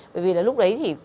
bởi vì lúc đấy thì